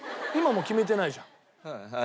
今も決めてないじゃん。